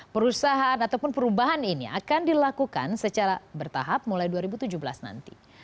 perusahaan ataupun perubahan ini akan dilakukan secara bertahap mulai dua ribu tujuh belas nanti